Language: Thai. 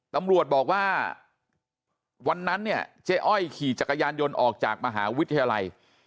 ตำรวจบอกว่าวันนั้นเนี่ยเจ๊อ้อยขี่จักรยานยนต์ออกจากมหาวิทยาลัย